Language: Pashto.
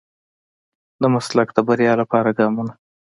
د مسلک د بريا لپاره ګامونه.